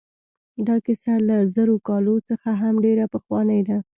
دا کیسه له زرو کالو څخه هم ډېره پخوانۍ ده.